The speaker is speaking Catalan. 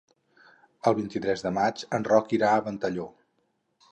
El vint-i-tres de maig en Roc irà a Ventalló.